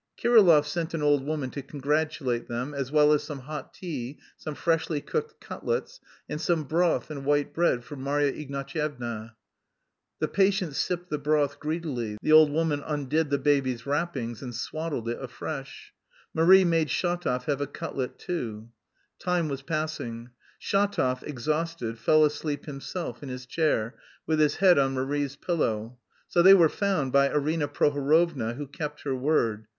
Kirillov sent an old woman "to congratulate them," as well as some hot tea, some freshly cooked cutlets, and some broth and white bread for Marya Ignatyevna. The patient sipped the broth greedily, the old woman undid the baby's wrappings and swaddled it afresh, Marie made Shatov have a cutlet too. Time was passing. Shatov, exhausted, fell asleep himself in his chair, with his head on Marie's pillow. So they were found by Arina Prohorovna, who kept her word.